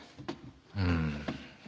うん。